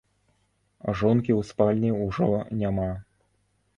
Жонкі ў спальні ўжо няма.